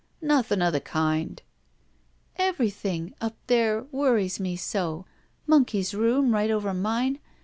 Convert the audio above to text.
"Nothing of the kind!" "Everything — ^up there— worries me so! Mon key's room right over mine.